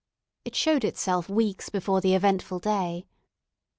It showed itself weeks before the eventful day.